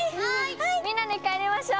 みんなで帰りましょう。